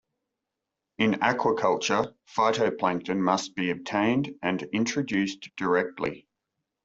In aquaculture, phytoplankton must be obtained and introduced directly.